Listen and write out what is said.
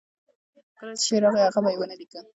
کله چې شعر راغی، هغه به یې نه ولیکه.